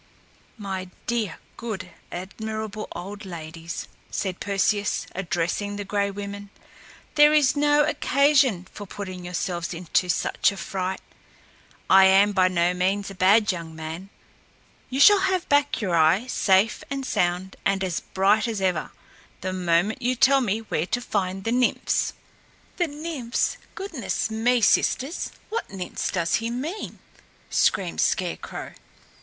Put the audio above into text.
"My dear, good, admirable old ladies," said Perseus, addressing the Gray Women, "there is no occasion for putting yourselves into such a fright. I am by no means a bad young man. You shall have back your eye, safe and sound, and as bright as ever, the moment you tell me where to find the Nymphs." "The Nymphs! Goodness me! sisters, what Nymphs does he mean?" screamed Scarecrow.